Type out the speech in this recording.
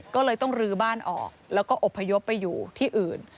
ก็เลยต้องลื้อบ้านออกแล้วก็อบพยพไปอยู่ที่อื่น